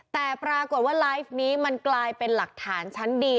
แต่ปรากฏว่าไลฟ์นี้มันกลายเป็นหลักฐานชั้นดี